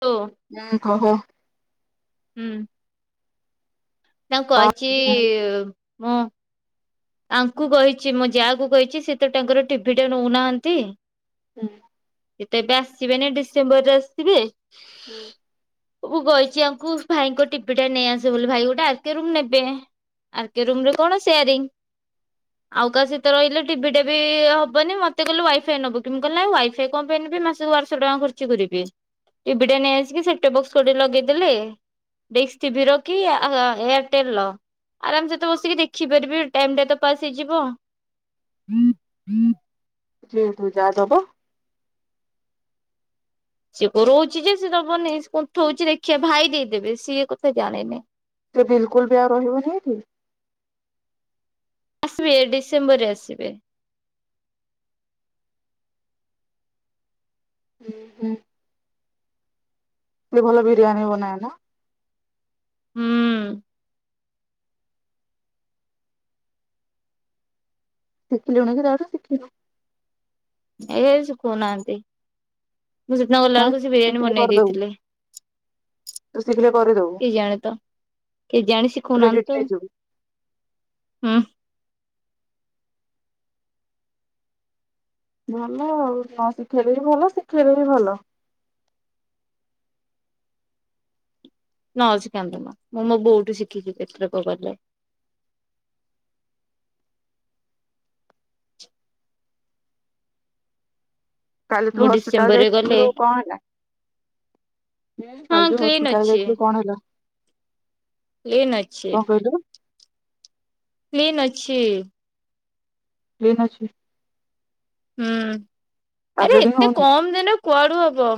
ତୋ। ନା କହ। ହୁଁ। ତାଙ୍କୁ କହିଛି ମୁଁ ତାଙ୍କୁ କହିଛି ମୁ ଯାହାକୁ କହିଛି ସେ ତ ତାଙ୍କର ଟିଭି ଟା ନେଉନାହାନ୍ତି। ହୁଁ। ସିଏତ ଏବେ ଆସିବେନି ଡିସେମ୍ବର ରେ ଆସିବେ। ହୁଁ। ମୁଁ କହିଛି ଆଙ୍କୁ ଭାଇଙ୍କ ଟିଭିି ଟା ନେଇ ଆସିବ ବୋଲି ଭାଇ ଗୋଟେ ଆରକେ ରୁମ୍ ନେବେ। ଆର୍ କେ ରୁମ ରୁ କଣ ସେୟାରିଂ। ଆଉ କାହା ସହିତ ରହିଲେ ଟିଭି ଟେ ବି ହବନି ମତେ କଲେ ୱାଇଫାଇ ନବ କି ମୁଁ କହିଲି ନାଇଁ ୱାଇଫାଇ କଣ ପାଇଁ ନେବି ମାସ୍‌ ବର୍ଷକୁ ବାରଶହ ଟଙ୍କା ଖର୍ଚ୍ଚ କରିବି ଟିଭି ଟା ନେଇ ଆସିକି ସେଟଅଫ୍ ବକ୍ସ ଗୋଟେ ଲଗେଇଦେଲେ ଡିସ୍ ଟିଭିର କି ଆ ଏୟାରଟେଲ ର ଆରାମସେ ତ ବସିକି ଦେଖିପାରିବେ। ଟାଇମ୍‌ ଟା ତ ପାସ୍ ହେଇଯିବ। ହୁଁ ହୁଁ ଯାହାଦବ। ସିଏ କରଉଛି ଯେ ସେ ଦେବନି କୁଣ୍ଠଉଛି ଦେଖିଆ ଭାଇ ଦେଇଦେବେ ସିଏ କଥା ଜାଣେନି। ସେ ବିଲ୍ କୁଲ୍ ବି ଆଉ ରହିବନି ଏଇଠି। ଆସିବେ ଡିସେମ୍ବର ରେ ଆସିବେ। ଏ ଭଲ ବିରିୟାନୀ ବନାଏ ନା। ହୁଁ। ଶିଖିଲଣି କି ତା ଠୁ ଶିଖିନ। ନାଇଁ ଏ ଶିଖଉ ନାହାନ୍ତି ମୁଁ ସେଦିନ ଗଲା କାଇଁ ବେଳକୁ ସେ ବିରିୟାନୀ ଶିଖିଲେ ବନେଇ କରିଦବୁ ଦେଇଥିଲେ। ତୁ ଶିଖିଲେ କରିଦବୁ କିଏ ଜାଣି ତ କେଏ ଜାଣି ଶିଖୋଉ ନାହାନ୍ତି କ୍ରେଡିଟ ତ। ନେଇଯିବୁ ହୁଁ। ଭଲ ଆଉ ନ ଶିଖେଇଲେ ବି ଭଲ ଶିଖେଇଲେ ବି ଭଲ। ନ ଶିଖାନ୍ତୁ ମା ମୁଁ ମୋ ବୋଉଠୁ ଶିଖିବି ଏଥରକ ଗଲେ। କାଲି ତୁ ମୁଁ ହସ୍ପିଟାଲ ଡିସେମ୍ବରରେ ଗଲେ ଯାଇଥିଲୁ କଣ ହେଲା। ହଁ କାଲି ଯୋ କ୍ଲିନ ହସ୍ପିଟାଲ ଅଛି। ଯାଇଥିଲୁ କଣ ହେଲା। କ୍କିନ୍‌ ଅଛି। କଣ କହିଲୁ କ୍ଲିନ୍ ଅଛି। କ୍ଲିନ୍ ଅଛି। ହୁଁ ଆଉ ଆରେ ବ୍ଲିଡିଙ୍ଗ ଏତେ ହଉନି କମ୍ ଦିନେ କୁଆଡୁ ହବ।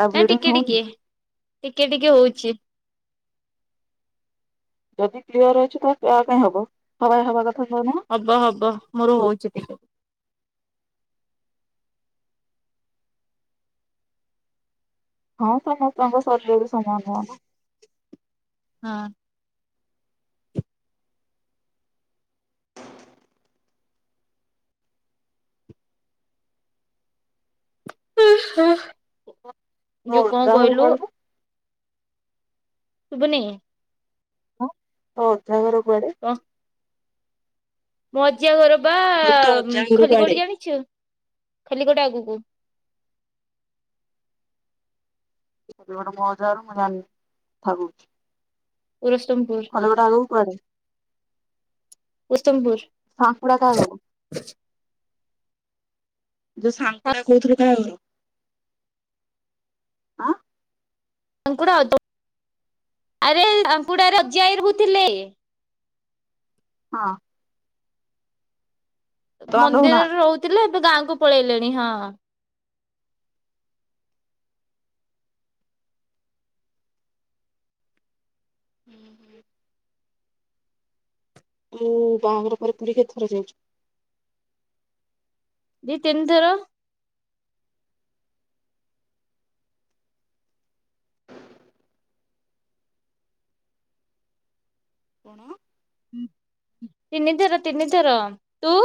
ଆଉ ନା ବ୍ଲିଡିଙ୍ଗ ଟିକେ ହଉନି ଟିକେ ଟିକେ ଟିକେ ହଉଛି। ଯଦି କ୍ଲିୟର ଅଛି ତ କାହା ପାଇଁ ହବ ହବାର ହବା କଥା କହୁନ। ହବ ହବ ମୋର ହଉଛି ଟିକେ। ହଁ ସମସ୍ତଙ୍କ ଶରୀର ବି ସମାନ ନୁହ ନା। ହଁ। ଓ ହଁ। ହଉ ରହୁରୁ କଣ ହ [inaudible] ଶୁଭୁନି? ତ ଅଜା ଘର କୁଆଡେ? କହ ମୋ ଅଜା ଘର ବା ମୁଁ କହିଲି ତୋ ଅଜା ଘର କୁଆଡେ? ଖଲିଗଡ଼ି ଜାଣିଛୁ ଖଲିଗଡ ଆଗକୁ ଖୋଲିଗୋଟ ମୋ ଅଜା ଘର ମୁଁ ଜାଣିନି ଥାଉ। ପୁରସତମପୁରୁ। ତା ଠୁ ଆଗକୁ କୁଆଡେ? ପୁରୁଷତ୍ତମପୁରୁ ସାପୁଡ଼ା କାହା ଘର? ଯୋଉ ସାଙ୍ଗପଡା କହୁଥିଲୁ କାହା ଘର? ଆଁ ଆରେ ଆଙ୍କୁଡ଼ା ଆରେ ଆଙ୍କୁଡାରେ ଅଜା ଆଈ ରହୁଥିଲେ। ହଁ। ତମେମାନେ ମନ୍ଦିରରେ ରହୁନାହାନ୍ତି। ରହୁଥିଲେ ଏବେ ଗାଁ କୁ ପଳେଇଲେଣି ହଁ। ହୁଁ ହୁଁ। ମୁଁ ବାହାଘର ପରେ ପୁରୀ କେତେଥର ଯାଇଛୁ? ଦି ତିନି ଥର। କଣ? ତିନିଥର ତିନିଥର ତୁ?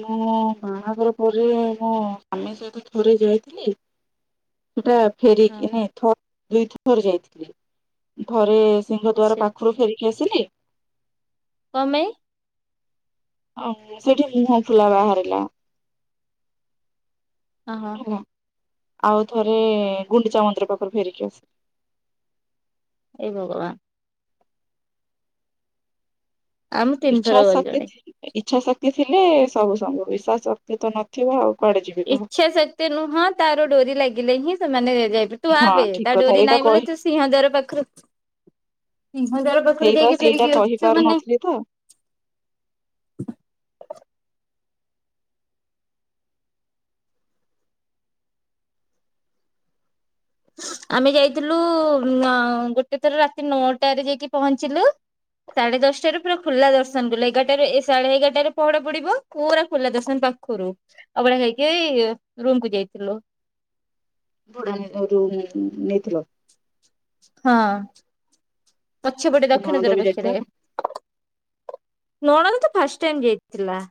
ମୁଁ ବାହାଘର ପରେ ମୋ ସ୍ୱାମୀ ସହିତ ଥରେ ଯାଇଥିଲି। ସେଟା ହଁ ଫେରିକି ଥ ଦୁଇ ଥର ଯାଇଥିଲି ଥରେ ସିଂଗ ଦ୍ୱାର ଆଚ୍ଛା ପାଖରୁ ଫେରିକି ଆସିଲି। କଣ ପାଇଁ? ଆ ମ ସେଇଠି ମୁହଁ ଫୁଲା ବାହାରିଲା। ଓହୋ। ହେଲା। ଆଉ ଥରେ ଗୁଣ୍ଡିଚା ମନ୍ଦିର ପାଖରୁ ଫେରିକି ଆସି ଏ ଭଗବାନ୍। ଆମେ ଇଛା ତିନିଥର ଗଲେଣି। ଶକ୍ତି ଇଚ୍ଛା ଶକ୍ତି ଥିଲେ ସବୁ ସମ୍ଭବ ଇଛା ଶକ୍ତି ତ ନଥିବ ଆଉ କୁଆଡେ ଯିବ। ଇଚ୍ଛା ଶକ୍ତି ନୁହଁ ତାର ଡୋରି ଲାଗିଲେ ହିଁ ସେମାନେ ଯାଇ ତୁ ହଁ ଆପେ ଠିକ ତା କଥା ଡୋରି ଏଇଟା ନାହିଁ ବୋଲି କହି ତୁ ସିଂହଦାର ପାଖରୁ ସିଂହ ଦାର ପାଖରେ ସେଇଟା ଯାଇକି ସେଇଟା ଫେରିକି ଆସୁଛୁ ମାନେ କହିପାରୁନଥିଲି ତ ଆମେ ଯାଇଥିଲୁ ଅ ଗୋଟେ ଥର ରାତି ନଅଟାରେ ଯାଇକି ପହଞ୍ଚିଲୁ। ସାଢେ ଦଶଟାରୁ ପୁରା ଖୁଲା ଦର୍ଶନ କଲୁ ଏଗାରଟାରେ ଏ ସାଢେ ଏଗାରଟାରେ ପହଡ ପଡିବ। ପୁରା ଖୋଲା ଦର୍ଶନ ପାଖରୁ ଅଭଡ଼ା ନେଇକି ରୁମକୁୁ ଯାଇଥିଲୁ। ଅଭଡ଼ା [unintelligible] ରୁମ୍ ନେଇଥିଲ? ହଁ ପଛପଟେ ତୋ ଦକ୍ଷିଣ ନଣନ୍ଦ ଦ୍ୱାର ବି ଯାଇଥିଲା ପାଖେରେ। ନା? ନଣଦ ତ ଫାଷ୍ଟ ଟାଇମ୍ ଯାଇଥିଲା।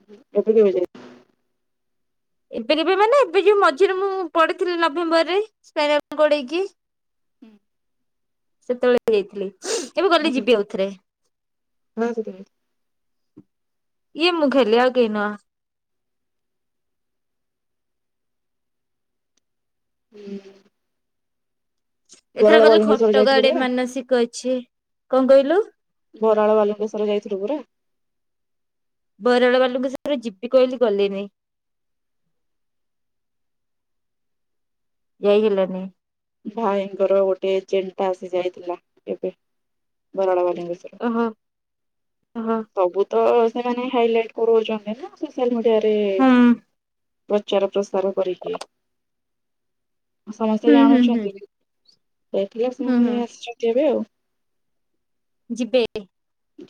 [unintelligible] ଏବେ ଯେବେ ମାନେ ଏବେ ଯୋଉ ମଝିରେ ମୁଁ ପଡିଥିଲି ନଭେମ୍ବରରେ ସ୍ପାଇନାଲ୍କଡ ହେଇକି। ସେତେବେଳେ ଯାଇଥିଲି ଏବେ ଗଲେ ଯିବି ଆଉଥରେ। ଇଏ ମୁଁ ଖାଲି ଆଉ କେ ନୁହଁ ହୁଁ। ଏଥର ଗଲେ ବାଲୁଙ୍କେଶ୍ୱର ଖଟଗା ଯାଇଥିଲୁ ଆଡେ ପରା ମାନସିକ ଅଛି କଣ କହିଲୁ? ବରାଳ ବାଲଙ୍ଗେଶ୍ଵର ଯାଇଥିଲୁ ପରା? ବରାଳ ବାଲୁଙ୍କେଶ୍ୱର ଯିବି କହିଲି ଗଲିନି। ଯାଇ ହେଲାନି। ଭାଇଙ୍କର ଗୋଟେ ଜେଣ୍ଟ ଆସି ଯାଇଥିଲା ଏବେ ବରାଳ ବାଲିଙ୍କଶ୍ବର। ଓହଁ ହଁ। ସବୁତ ସେମାନେ ହାଇଲାଇଟ କରଉଚନ୍ତିନା ସୋସିଆଲ ମିଡ଼ିଆରେ ହୁଁ ପ୍ରଚାର ପ୍ରସାର କରିକି ସମସ୍ତେ ହୁଁ ହୁଁ ଜାଣୁଚ ହୁଁ ଏଥିଲା ହୁଁ ସେମାନେ ହୁଁ ଆସିଚନ୍ତି ଏବେ ଆଉ। ଯିବେ।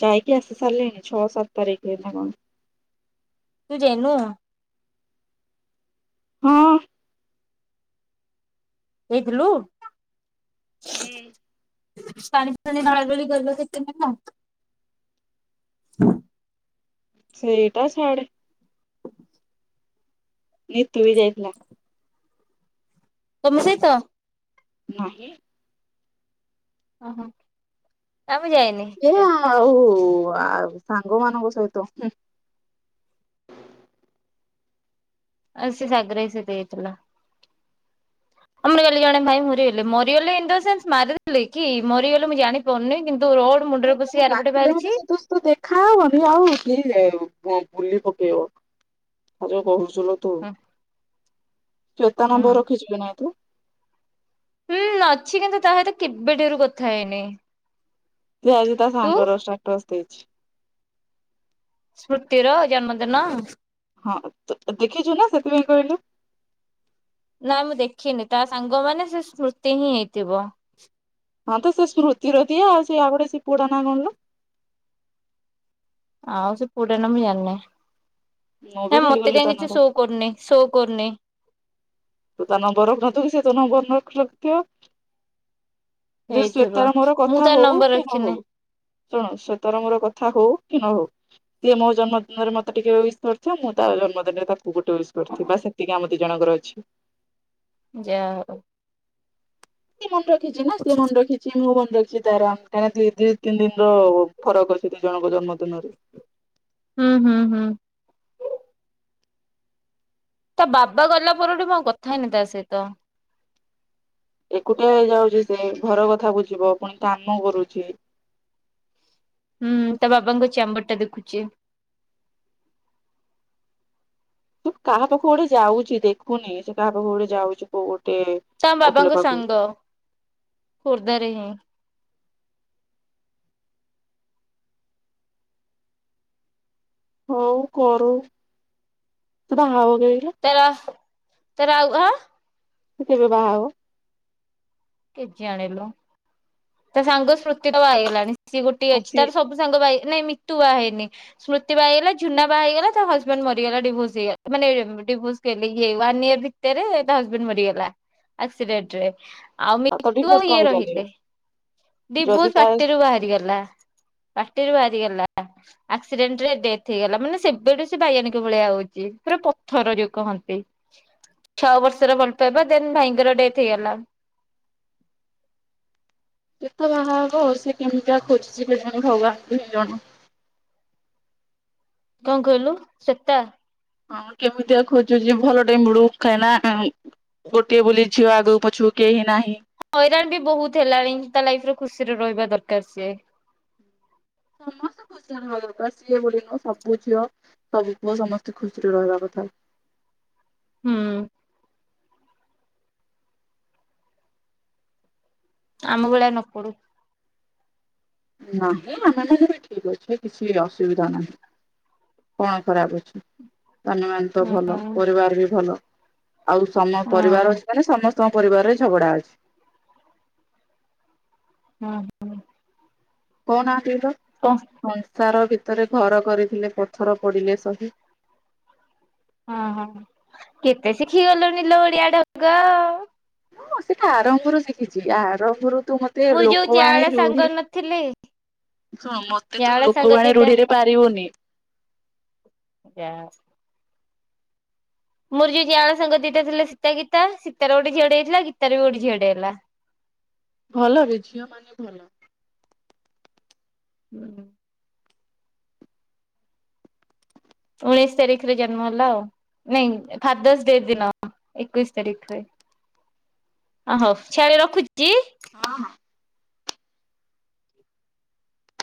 ଯାଇକି ଆସି ସାରିଲେଣି ଛଅ ସାତ ତାରିଖରେ ନା କଣ। ତୁ ଯାଇନୁ? ହଁ। ଯାଇଥିଲୁ। ହେ ପାଣି ପାଣି ଢ଼ଳା ଢ଼ଳି କଲଯେ କେତେ ନେଲା? ସେଇଟା ଛାଡ଼େ। ନିତୁବି ଯାଇଥିଲା। ତମ ସହିତ? ନାହିଁ ଓହୋ ନା ମୁଁ ଯାଇନି। ଏ ଆଉ ସାଙ୍ଗ ମାନଙ୍କ ସହିତ ହୁଁ। ଆ ସେ ସାଗର ଭାଇ ସଯିତ ଯାଇଥିଲା। ଆମର କାଲି ଜଣେ ଭାଇ ମରିଗଲେ ମରିଗଲେ ଇନ୍ ଦ ସେନ୍ସ ମାରିଦେଲେକି ମରିଗଲେ ମୁଁ ଜାଣି ପନି କିନ୍ତୁ ରୋଡ଼ ମୁଣ୍ଡରେ ପଶି ଆରୁ ପଟେ ବାହାରିଚି। ତ ଦେଖା ହବନି ଆଉ କିଏ ବୁ ବୁଲି ପକେଇବ ଆଯଉ କହୁଚୁଲୋତୁ ହୁଁ ଶ୍ୱେତା ନମ୍ବର ରଖିଚୁକି ନାଇଁ ତୁ? ହୁଁ ଅଛି କିନ୍ତୁ ତାସହିତ କେବେ ଠାରୁ କଥା ହେଇନି। ସେଆଜି ତୁ ତାସାଙ୍ଗର ଷ୍ଟାଟସ୍ ଦେଇଚି। ସ୍ମୃତିର ଜନ୍ମଦିନ? ହଁ ତୁ ତୁ ଦେଖିଚୁନା ସେଥିପାଇଁ କହିଲୁ? ନାଇଁ ମୁଁ ଦେଖିନି ତାସାଙ୍ଗ ମାନେ ସେସ୍ମୃତିହିଁ ହେଇଥିବ। ହଁ ତ ସେସ୍ମୃତିର ଦିଏ ଆଉ ସେ ଆଉ ଗୋଟେ ସେପୁଅଟା ନା କଣଲୋ? ଆଉ ସେ ପୁଅଟାନା ମୁ ଜାଣିନି ମୁଁ ବି କାଇଁ ମତେ ଭୁଲିଗଲି କାଇଁ ତା ନାଁ କିଛି ଟା ସୋ କରୁନି ଶୋ କରୁନି। ତୁ ତାନମ୍ବର ରଖନଥିବୁ ସେତ ନମ୍ବର ନ ରଖିନଥିବ। ଯେ ହେଇଥିବ ଶ୍ଵେତାର ମୋର ମୁଁ ତା କଥା ନମ୍ବର ହଉକି ରଖିନି ନହଉ। ଶୁଣ ଶ୍ଵେତର ମୋର କଥା ହଉକି ନହଉ ସେ ମୋ ଜନ୍ମଦିନରେ ମତେ ଟିକେ ଉଇସ୍୍ କରିଥିବ ମୁଁ ତା ଜନ୍ମଦିନରେ ତାକୁ ଗୋଟେ ଉଇସ୍ କରିଥିବି ବାସ୍ ଏତିକି ଆମ ଦିଜଣଙ୍କର ଅଛି ଯାହା ହଉ। ସେମନ ରଖିଚିନା ସେମନ ରଖି ଚି ମୁମନେ ରଖିଚି ତାର କାହିଁକିନା ଦି ତିନି ଦିନ ର ଫରକ୍ ଅଛି ଦିଇ ଜଣଙ୍କ ଜନ୍ମଦିନରେ ହୁଁ ହୁଁ ହୁଁ। ତା ବାବା ଗଲା ପରଠୁ ମୁଁ ଆଉ କଥା ହେଇନି ତାସହିତ। ଏକୁଟିଆ ହେଇଯାଉଚି ସେଘର କଥା ବୁଝିବ ପୁଣି କାମ କରୁଚି ହୁଁ ତା ବାବାଙ୍କ ଚ୍ୟାମ୍ବର୍ ଟା ଦେଖୁଚି। କାହା ପାଖକୁ ଗୋଟେ ଯାଉଚି ଦେଖୁନି ସେ କାହା ପାଖକୁ ଗୋଡେ ଯାଉଚି କଉ ଗୋଟେ ତା ଓକିଲ ବାବାଙ୍କ ପାଖକୁ ସାଙ୍ଗ ଖୋର୍ଦ୍ଧାରେ ହିଁ ହଉ କରୁ ସେ ବାହା ହବ କେବେ କିଲୋ? [unintelligible] ସେ କେବେ ବାହା ହବ? କେଜାଣି ଲ ତା ସାଙ୍ଗ ସ୍ମୃତି ତ ବାହା ହେଇ ଗଲାଣି ସିଏ ଗୋଟିଏ ଆଉ ଅଛି ସିଏ ତାର ସବୁ ସବୁ ସାଙ୍ଗ [unintelligible] ନାଇଁ ମିିତୁ ବାହା ହେଇନି। ସ୍ମୃତି ବା ହେଇଗଲା ଝୁନା ବାହା ହେଇଗଲା ତା ହଜବେଣ୍ଟ୍ ମରିଗଲା ଡିଭୋର୍ସ ହେଇଗଲା ମାନେ ଡିଭୋର୍ସ [unintelligible] ୱାନ୍ ଇୟର ଟେରେ ତା ହଜବେଣ୍ଟ୍ ମରିଗଲା ଆକ୍ସିଡେଣ୍ଟ୍ ରେ। ଆଉ ତ ମିିତୁ ଡିଭୋର୍ସ କଣ ଇଏ ପାଇଁ ଚାଲିବ ରହିଲେ ବିବୁ ଯଦି ତା [unintelligible] ବାହାରିଗଲା। ପାଟିରୁ ବାହାରିଗଲା। ଆକ୍ସିଡେଣ୍ଟ୍ ରେ ଡେଥ୍ ହେଇଗଲା ମାନେ ସେବେଠୁ ସେ ବାଇୟାଣିକ ଭଳିଆ ହଉଚି ପୁରା ପଥର ଯଉ କହନ୍ତି। ଛଅ ବର୍ଷର ଭଲ ପାଇବା ଦେନ୍ ଭାଇଙ୍କର ଡେଥ୍ ହେଇଗଲା। [unintelligible] ବାହାହବ ସେ କେମିତିଆ ଖୋଜୁଚି କେଜାଣି ଭଗବାନଙ୍କୁ ହିଁ ଜଣା। କଣ କହିଲୁ ସେତା ହଁ କେମିତିଆ ଖୋଜୁଚି ଭଲଟେ ମିଳୁ କାଇଁକିନା ଗୋଟିଏ ବୁଲି ଝିଅ ଆଗକୁ ପଛକୁ କେହି ନାହିଁ ହଇରାଣ୍ ବି ବହୁତ ହେଲାଣି ତା ଲାଇଫ୍ ରେ ଖୁସିରେ ରହିବା ଦରକାର୍ ସିଏ। ସମସ୍ତେ ଖୁସିରେ ରହିବା ଦରକାର ସିଏ ବୋଲି ନୁହଁ ସବୁ ଝିଅ ସବୁ ପୁଅ ସମସ୍ତେ ଖୁସିରେ ରହିବା କଥା। ହୁଁ। ଆମ ଭଳିଆ ନ ପଡୁ। ନାହିଁ ଆମେ ମାନେ ବି ଠିକ୍ ଅଛେ କିଛି ଅସୁବିଧା ନାହିଁ। କଣ ଖରାପ୍ ଅଛି? ସ୍ବାମୀ ମାନେ ତ ହୁଁ ଭଲ ହଁ ପରିବାର ବି ଭଲ ଆଉ ସମ- ପରିବାର ହଁ ଅଛି ମାନେ ସମସ୍ତଙ୍କୁ ପରିବାରରେ ଝଗଡା ଅଛି। ହୁଁ। କହୁ ନାହାନ୍ତି ତ କ। ସଂସାର ଭିତରେ ଘର କରିଥିଲେ ପଥର ପଡିଲେ ସହି। ଓ ହୋ କେତେ ଶିଖି ଗଲୁଣି ଲ ଓଡିଆ ଢଗ। ମୁଁ ସେଇଟା ଆରମ୍ଭରୁ ଶିଖିଚି ଆରମ୍ଭରୁ ତୁ ମତେ ମୋର [unintelligible] ଯୋଉ ଲୋକବାଣୀ, ଜାଆଁଳା ସାଙ୍ଗ ରୂଢି ନଥିଲେ ଶୁଣୁ ମତେ ତୁ ଲୋକବାଣୀ ରୂଢିରେ ପାରିବୁନି। ଯା। ମୋର ଯଉ ଜାଆଁଳ ସାଙ୍ଗ ଦିଟା ଥିଲା ସୀତା ଗୀତା ସୀତା ର ଗୋଟେ ଝିଅ ଟେ ହେଇଥିଲା ଗୀତା ର ବି ଗୋଟେ ଝିଅଟେ ହେଲା। ଭଲରେ ଝିଅ ମାନେ ଭଲ। [unintelligible] ଉଣେଇଶ୍ ତାରିଖ୍ ରେ ଜନ୍ମ ହେଲା ଆଉ। ନାଇଁ ଫାଦର୍ସ ଡେ ଦିନ ଏକୋଇଶ୍ ତାରିଖ୍ ରେ। ଅ ହଉ ଛେଳି ରଖୁଚି। ହଁ -ହଁ।